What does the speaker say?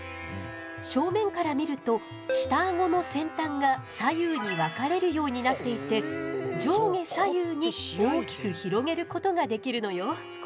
正面から見ると下アゴの先端が左右に分かれるようになっていて上下左右に大きく広げることができるのよ。